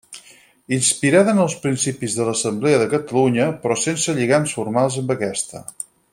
Inspirada en els principis l’Assemblea de Catalunya però sense lligams formals amb aquesta.